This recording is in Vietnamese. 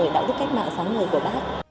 và là một